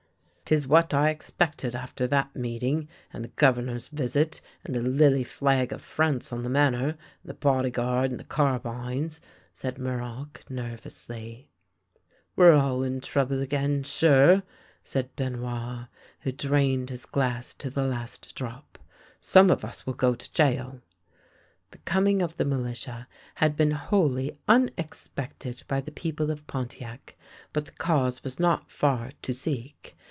" 'Tis what I expected after that meeting, and the Governor's visit, and the lily flag of France on the Manor, and the bodyguard and the carbines," said Muroc, nervously. " We're all in trouble again — sure," said Benoit, and drained his glass to the last drop. " Some of us will go to gaol." The coming of the militia had been wholly unex pected by the people of Pontiac, but the cause was not far to seek.